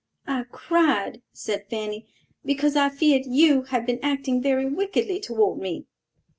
"I cried," said Fanny, "because I feared you had been acting very wickedly toward me."